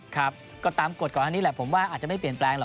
ครับก็ตามกฎก่อนอันนี้แหละผมว่าอาจจะไม่เปลี่ยนแปลงหรอก